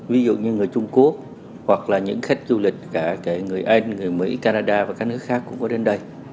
ví dụ như người trung quốc hoặc là những khách du lịch cả người anh người mỹ canada và các nước khác cũng có đến đây